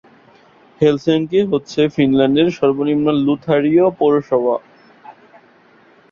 Helsinki হচ্ছে ফিনল্যান্ডের সর্বনিম্ন লুথারীয় পৌরসভা।